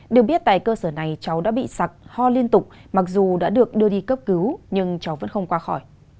được biết tại cơ sở này cháu đã bị sặc ho liên tục mặc dù đã được đưa đi cấp cứu nhưng cháu vẫn không qua khỏi